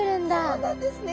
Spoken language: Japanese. そうなんですね。